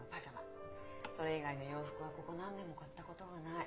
それ以外の洋服はここ何年も買ったことがない。